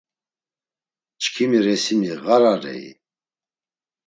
Çkimi resimi ğararei?